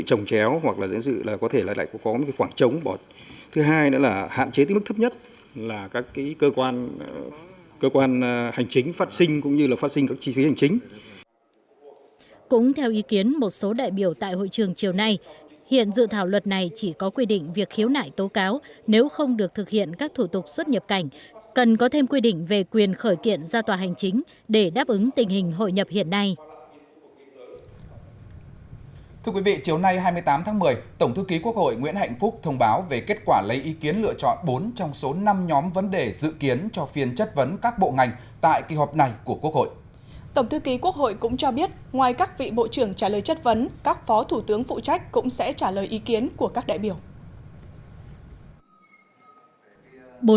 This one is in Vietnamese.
tổng thư ký quốc hội cũng cho biết ngoài các vị bộ trưởng trả lời chất vấn các phó thủ tướng phụ trách cũng sẽ trả lời ý kiến của các đại biểu